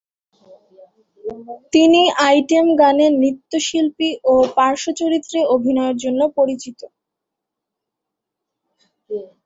তিনি আইটেম গানে নৃত্যশিল্পী ও পার্শ্বচরিত্রে অভিনয়ের জন্য পরিচিত।